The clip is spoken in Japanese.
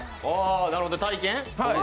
なるほど、体験？